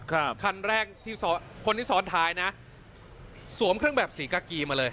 คันแรกที่ซ้อนคนที่ซ้อนท้ายนะสวมเครื่องแบบสีกากีมาเลย